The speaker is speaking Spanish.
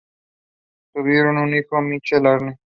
Tuvieron un hijo, Michael Arne.